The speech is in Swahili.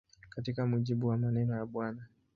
Katika mujibu wa maneno ya Bw.